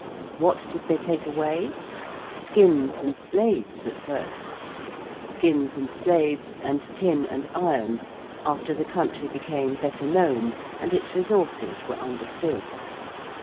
What did they take away? Skins and slaves at first; skins and slaves, and tin and iron, after the country became better known and its resources were understood.